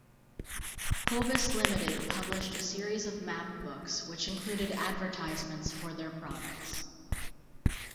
Hovis Limited published a series of map books which included advertisements for their products.